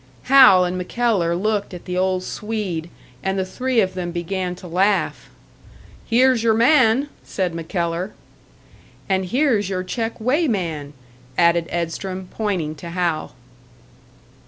Hal and MacKellar looked at the old Swede, and the three of them began to laugh. "Here's your man!" said MacKellar. "And here's your check weighman!" added Edstrom, pointing to Hal.